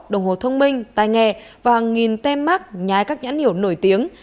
đồng hồ thông minh tai nghe và hàng nghìn tem mát nhái các nhãn hiệu nổi tiếng